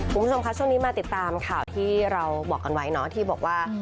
คุณผู้ชมคะช่วงนี้มาติดตามข่าวที่เราบอกกันไว้เนาะที่บอกว่า